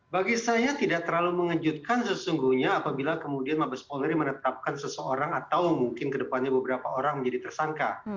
bagi saya tidak terlalu mengejutkan sesungguhnya apabila kemudian mabes polri menetapkan seseorang atau mungkin kedepannya beberapa orang menjadi tersangka